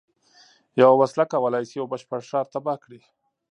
یوه وسله کولای شي یو بشپړ ښار تباه کړي